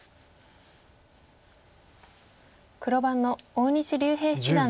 黒番の大西竜平七段です。